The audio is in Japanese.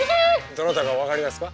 どなたか分かりますか？